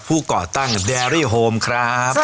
ก่อตั้งแดรี่โฮมครับ